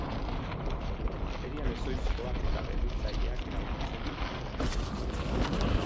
Material ezohikoak eta berritzaileak erabiltzen ditu.